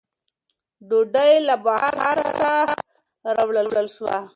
ډوډۍ له بخاره سره راوړل شوه.